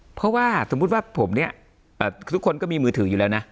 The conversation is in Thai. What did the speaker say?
เพราะว่าสมมุติว่าผมเนี่ยทุกคนก็มีมือถืออยู่แล้วนะ